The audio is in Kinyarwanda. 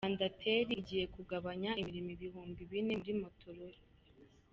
Rwanda teri igiye kugabanya imirimo Ibihumbi Bine muri Motorola